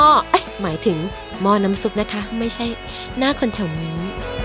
หมายถึงหม้อน้ำซุปนะคะไม่ใช่หน้าคนแถวนี้